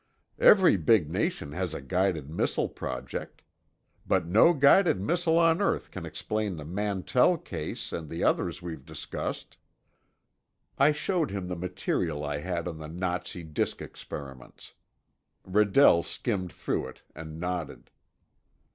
"Every big nation has a guided missile project. But no guided missile on earth can explain the Mantell case and the others we've discussed." I showed him the material I had on the Nazi disk experiments. Redell skimmed through it and nodded.